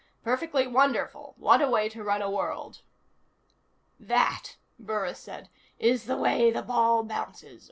"Perfectly wonderful. What a way to run a world." "That," Burris said, "is the way the ball bounces.